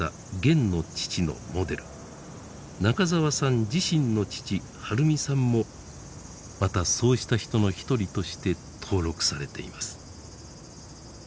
中沢さん自身の父晴美さんもまたそうした人の一人として登録されています。